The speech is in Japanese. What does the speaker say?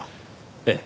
ええ。